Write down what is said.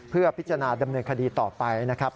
เพื่อพิจารณาดำเนินคดีต่อไปนะครับ